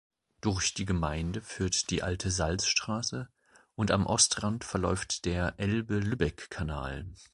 Durch die Gemeinde führt die Alte Salzstraße und am Ostrand verläuft der Elbe-Lübeck-Kanal.